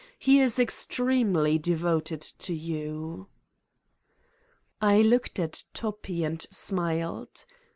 He is extremely devoted to you." I looked at Toppi and smiled.